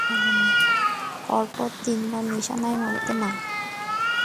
পরপর তিনবার নিশানায় মারতে পারবে না।